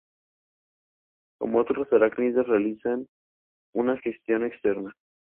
Como otros arácnidos realizan una digestión externa.